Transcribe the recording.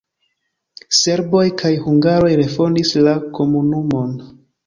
Serboj kaj hungaroj refondis la komunumon.